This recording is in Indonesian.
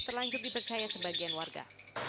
terlanjur dipercaya sebagian warga